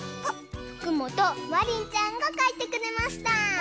ふくもとまりんちゃんがかいてくれました！